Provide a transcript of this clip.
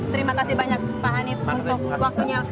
terima kasih banyak pak hanif untuk waktunya